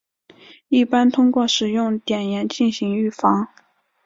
一般通过使用加碘盐进行预防。